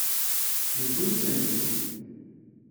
Yewwi-iyi-tent-id.